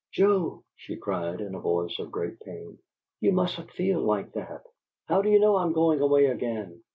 "Joe," she cried, in a voice of great pain, "you mustn't feel like that! How do you know I'm going away again?